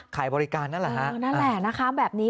ขายบริการนั่นแหละฮะนั่นแหละนะคะแบบนี้